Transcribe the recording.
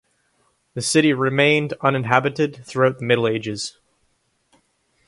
The city remained inhabited throughout the Middle Ages.